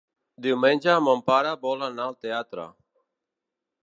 Diumenge mon pare vol anar al teatre.